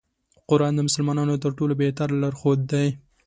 قرآن د مسلمانانو تر ټولو بهتر لار ښود دی.